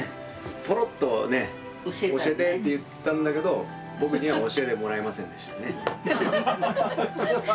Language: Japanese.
ポロッとね教えてって言ったんだけど僕には教えてもらえませんでしたね。